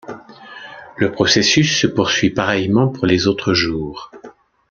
Le processus se poursuit pareillement pour les autres jours.